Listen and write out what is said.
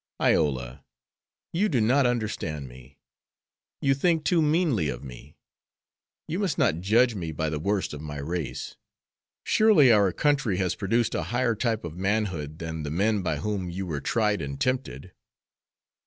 "Iola, you do not understand me. You think too meanly of me. You must not judge me by the worst of my race. Surely our country has produced a higher type of manhood than the men by whom you were tried and tempted."